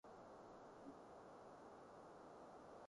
我聽日返九點